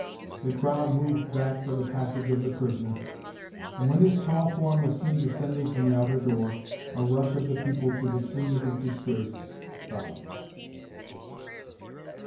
The crowd moved back for the passage of the prisoner, and when his tall form was seen descending from the outer door, a rush of the people to the scene of his disgrace followed.